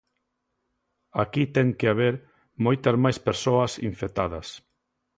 Aquí ten que haber moitas máis persoas infectadas.